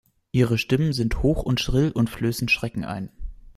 Ihre Stimmen sind hoch und schrill und flößen Schrecken ein.